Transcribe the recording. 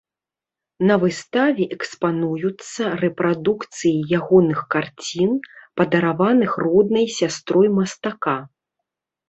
На выставе экспануюцца рэпрадукцыі ягоных карцін, падараваных роднай сястрой мастака.